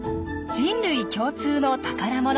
人類共通の宝物。